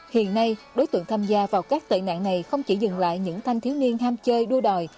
hiện nay đối tượng tham gia vào các tệ nạn này không chỉ dừng lại những thanh thiếu niên tham chơi đua đòi